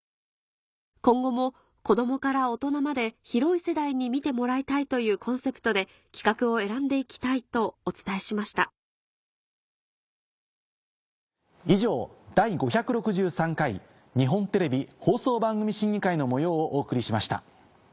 「今後も子供から大人まで広い世代に見てもらいたいというコンセプトで企画を選んで行きたい」とお伝えしました以上「第５６３回日本テレビ放送番組審議会」の模様をお送りしました。